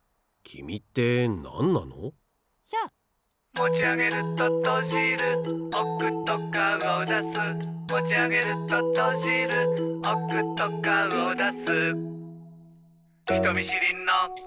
「もちあげるととじるおくとかおだす」「もちあげるととじるおくとかおだす」